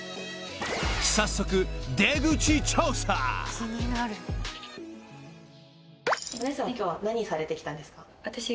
［早速］お姉さんは今日は何されてきたんですか？